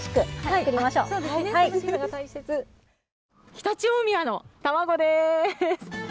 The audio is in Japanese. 常陸大宮の卵です。